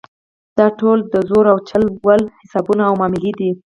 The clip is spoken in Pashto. دا ټول د زور او چل ول حسابونه او معاملې دي.